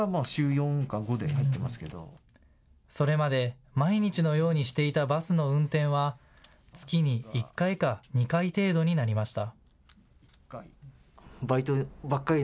それまで毎日のようにしていたバスの運転は月に１回か２回程度になりました。